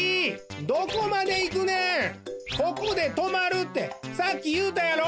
ここでとまるってさっきいうたやろ！